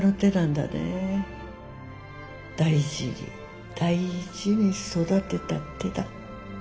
大事に大事に育てた手だ。